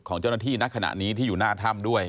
ของเจ้าหน้าที่ณขณะนี้ที่อยู่หน้าถ้ำด้วย